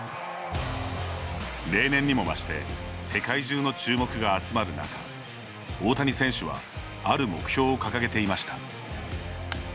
例年にも増して世界中の注目が集まる中大谷選手はある目標を掲げていました。